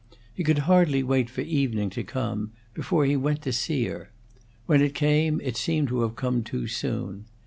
He could hardly wait for evening to come, before he went to see her; when it came, it seemed to have come too soon.